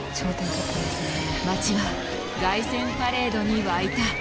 街は凱旋パレードに沸いた。